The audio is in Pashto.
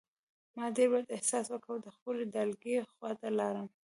ما ډېر بد احساس وکړ او د خپلې ډلګۍ خواته لاړم